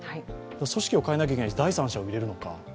組織を変えなきゃいけない、第三者を入れるのか